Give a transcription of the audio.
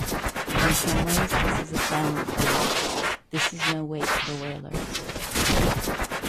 In some ways this is a silent grief, this is no wake for wailers.